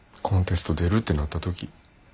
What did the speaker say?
コンテスト出るってなった時。